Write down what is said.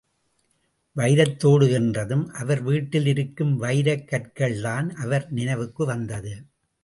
வைரத்தோடு என்றதும், அவர் வீட்டில் இருக்கும் வைரக்கற்கள் தான் அவருக்கு நினைவு வந்தது.